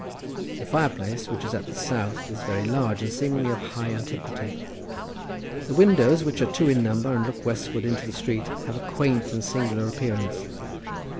The fire place, which is at the south, is very large and seemingly of high antiquity. The windows, which are two in number and look westward into the street, have a quaint and singular appearance.